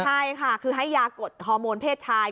ใช่ค่ะคือให้ยากดฮอร์โมนเพศชาย